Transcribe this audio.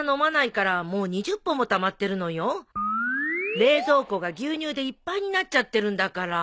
冷蔵庫が牛乳でいっぱいになっちゃってるんだから。